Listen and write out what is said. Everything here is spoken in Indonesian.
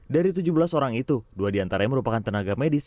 dari tujuh belas orang itu dua di antara yang merupakan tenaga medis